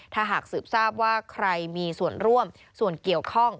ถ้าหากสืบทราบว่าใครมีส่วนร่วมส่วนเกี่ยวข้อง